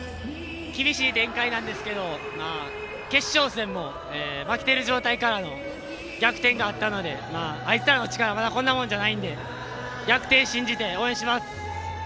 厳しい展開なんですけど決勝戦も負けている状態からの逆転があったのであいつらの力はまだこんなものじゃないので逆転信じて応援します！